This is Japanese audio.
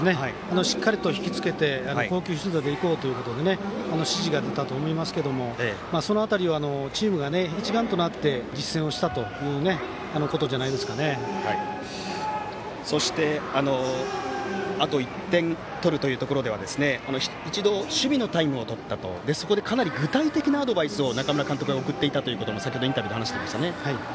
しっかりと引き付けていこうということで指示が出たと思いますけどもその辺りはチームが一丸となって実践をしたということじゃそして、あと１点取るというところでは一度、守備のタイムをとってそこでかなり具体的なアドバイスを中村監督が送っていたと先程、インタビューで話していましたね。